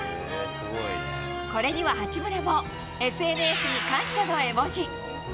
これには八村もＳＮＳに感謝の絵文字。